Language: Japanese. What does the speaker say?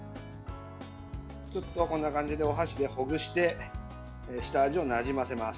こんな感じで、お箸でほぐして下味をなじませます。